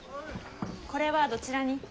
これはどちらに？